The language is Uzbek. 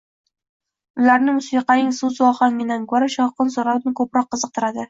Ularni musiqaning so`zu ohangidan ko`ra shovqin-suroni ko`proq qiziqtiradi